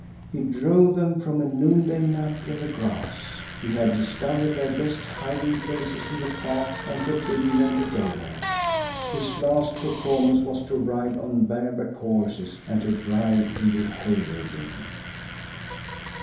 He drove them from a noonday nap in the grass. He had discovered their best hiding places in the park and forbidden them to go there. His last performance was to ride on barebacked horses and to drive in the hay rigging.